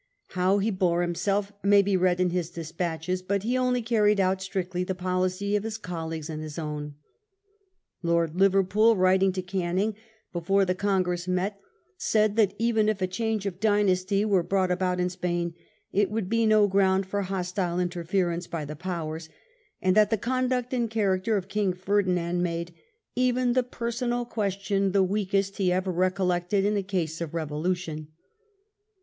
How he bore himself may be read in his despatches ; but he only carried out strictly the policy of his colleagues and his own. Lord Liverpool, writing to Canning before the Congress met, said that even if a change of dynasty were brought about in Spain, it would be no ground for hostile interference by the Powers ; and that the conduct and character of King Ferdinand made " even the personal question the weakest he ever recollected in a case of revolution."